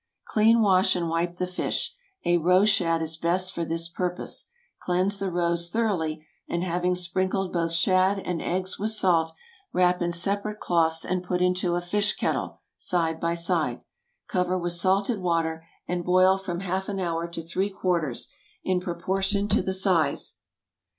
_)✠ Clean, wash, and wipe the fish. A roe shad is best for this purpose. Cleanse the roes thoroughly, and having sprinkled both shad and eggs with salt, wrap in separate cloths and put into a fish kettle, side by side. Cover with salted water, and boil from half an hour to three quarters, in proportion to the size.